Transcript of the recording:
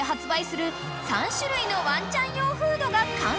３種類のワンちゃん用フードが完成］